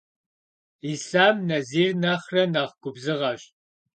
Yislham Nazir nexhre nexh gubzığeş.